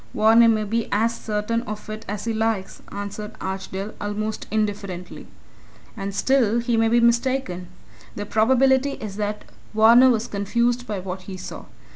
"Varner may be as certain of it as he likes," answered Archdale, almost indifferently, "and still he may be mistaken. The probability is that Varner was confused by what he saw.